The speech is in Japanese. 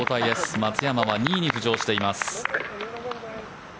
松山は２位に浮上しています。